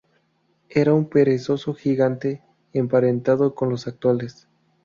Era un perezoso gigante emparentado con los actuales.